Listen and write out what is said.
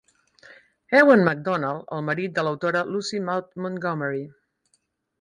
Ewan Macdonald, el marit de l'autora Lucy Maud Montgomery.